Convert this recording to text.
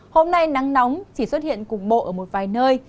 hôm nay nắng nóng chỉ xuất hiện cục bộ ở một vài nơi